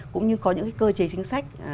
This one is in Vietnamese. cũng như có những cơ chế chính sách